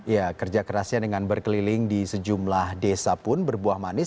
ya kerja kerasnya dengan berkeliling di sejumlah desa pun berbuah manis